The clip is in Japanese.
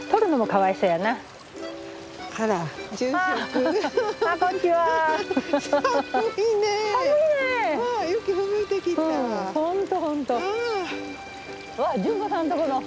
わあっ潤子さんとこの！